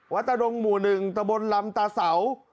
วัดตาดงหมู่หนึ่งตะบนลำตาเสา